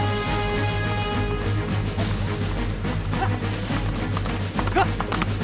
oh itu jalan pintu kalian